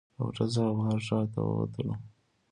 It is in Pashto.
له هوټل څخه بهر ښار ته ووتلو.